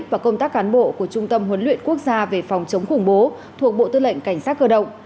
và công tác cán bộ của trung tâm huấn luyện quốc gia về phòng chống khủng bố thuộc bộ tư lệnh cảnh sát cơ động